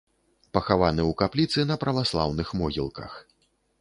Пахаваны ў капліцы на праваслаўных могілках.